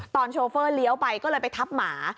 โชเฟอร์เลี้ยวไปก็เลยไปทับหมา